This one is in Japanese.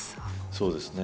そうですね。